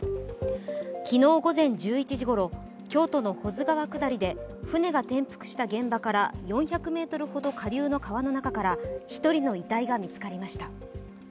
昨日、午前１１時頃京都の保津川下りで舟が転覆した現場から４００ｍほど下流の川の中から１人の遺体が見つかりました。